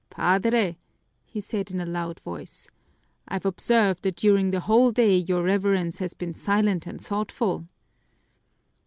"Padre," he said in a loud voice, "I've observed that during the whole day your Reverence has been silent and thoughtful."